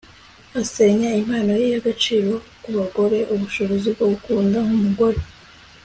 asenya impano ye y'agaciro kubagore - ubushobozi bwo gukunda nk'umugore